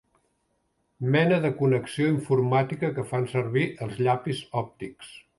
Mena de connexió informàtica que fan servir els llapis òptics.